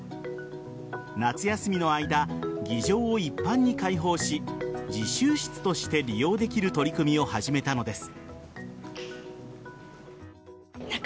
夏休みの間、議場を一般に開放し自習室として利用できる取り組みを始めたのです。